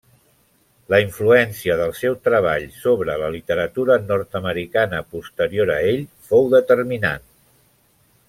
La influència del seu treball sobre la literatura nord-americana posterior a ell fou determinant.